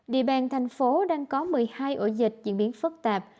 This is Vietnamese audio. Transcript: địa bàn thành phố đang có một mươi hai ổ dịch diễn biến phức tạp